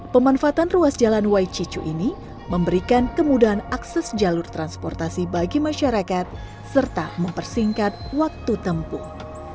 pemanfaatan ruas jalan wai cicu ini memberikan kemudahan akses jalur transportasi bagi masyarakat serta mempersingkat waktu tempuh